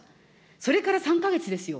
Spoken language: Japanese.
それから３か月ですよ。